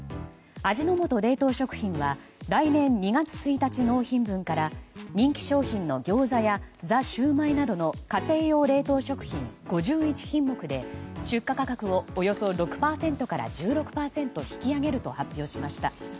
味の素冷凍食品は来年２月１日の納品分から人気商品のギョーザやザ☆シュウマイなどの家庭用冷凍食品５１品目で出荷価格をおよそ６％から１６％引き上げると発表しました。